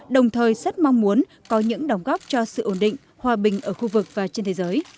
đồng thời rất mong muốn có những đồng góp cho sự ổn định hòa bình ở khu vực và trên thế giới